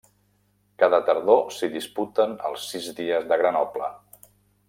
Cada tardor s'hi disputen els Sis dies de Grenoble.